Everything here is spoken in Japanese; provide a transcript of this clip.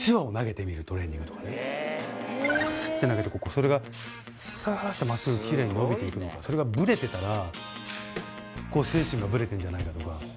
スーッて投げてそれがサーッて真っすぐキレイに伸びていくのがそれがブレてたら精神がブレてるんじゃないかとか。